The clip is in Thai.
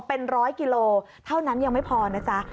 เป็นร้อยกิโลเท่านั้นยังไม่พอนะจ๊ะ